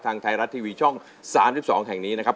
ทางไทยรัททีวีช่องสามสิบสองแห่งนี้นะครับ